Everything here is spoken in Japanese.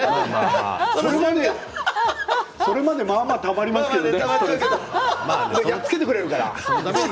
それまでまあまあたまりますけどね。